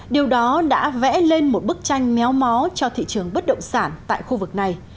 điều đó đã vẽ lên một bức tranh méo mó cho thị trường bất động sản tại khu vực này